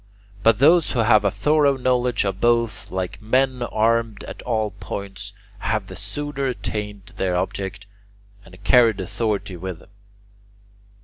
But those who have a thorough knowledge of both, like men armed at all points, have the sooner attained their object and carried authority with them.